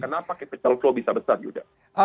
kenapa capital flow bisa besar yuda